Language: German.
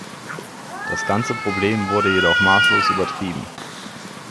Das ganze Problem wurde jedoch maßlos übertrieben.